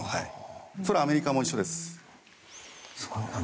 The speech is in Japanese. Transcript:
それはアメリカも一緒です。